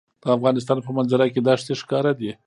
د افغانستان په منظره کې دښتې ښکاره دي.